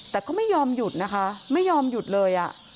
แต่ก็ไม่ยอมหยุดนะคะไม่ยอมหยุดเลย